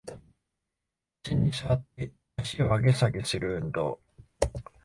イスに座って足を上げ下げする運動